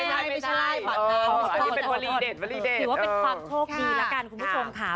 ิวเว่ะเป็นความโชคดีละกันคุณคุณผู้ชมคะ